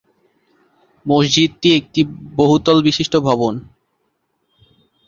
মসজিদটি একটি একটি বহুতল বিশিষ্ট ভবন।